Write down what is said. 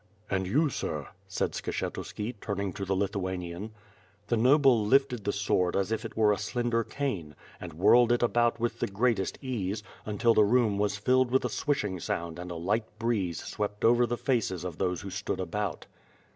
"And you, sir," said Skshetuski, turning to the Lithuanian. The noble lifted the sword as if it were a slender cane, and whirled it about with the greatest ease, until the room was filled with a swishing sound and a light breeze swept over the faces of those who stood about.